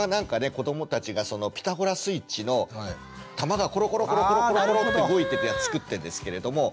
子どもたちがそのピタゴラスイッチの玉がコロコロコロコロコロコロって動いていくやつ作ってるんですけれども。